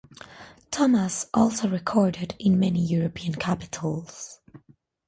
Thomas also recorded in many European capitals.